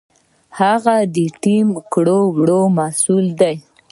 هغه د ټیم د کړو وړو مسؤل دی.